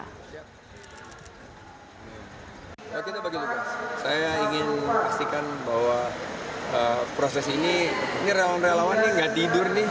kita bagi tugas saya ingin pastikan bahwa proses ini ini relawan relawan ini gak tidur nih